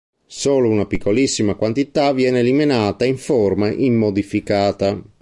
Solo una piccolissima quantità viene eliminata in forma immodificata.